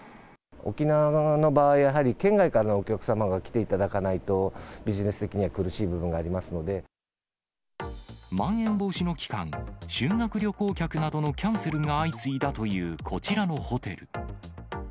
沖縄の場合はやはり、県外からのお客様が来ていただかないと、ビジネス的には苦しい部分がありまん延防止の期間、修学旅行客などのキャンセルが相次いだというこちらのホテル。